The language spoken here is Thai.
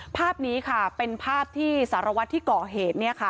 ภาพนี้ค่ะเป็นภาพที่สารวัตรที่ก่อเหตุ